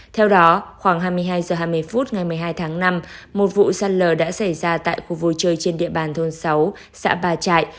theo đó khoảng hai mươi hai h hai mươi phút ngày một mươi hai tháng năm một vụ sạt lở đã xảy ra tại khu vui chơi trên địa bàn thôn sáu xã ba trại